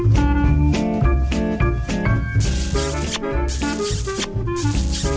สวัสดีค่ะ